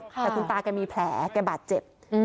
แต่คุณตาแกมีแผลแกบาดเจ็บ